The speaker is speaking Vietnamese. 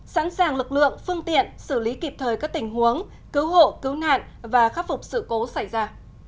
sẵn sàng lực lượng phương tiện xử lý kịp thời các tình huống cứu hộ cứu nạn và khắc phục sự cố xảy ra